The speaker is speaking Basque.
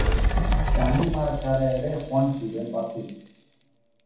Danimarkara ere joan ziren batzuk.